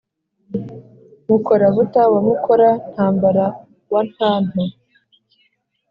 mukora-buta wa mukora-ntambara wa ntantu,